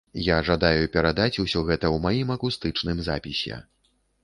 Я жадаю перадаць усё гэта ў маім акустычным запісе.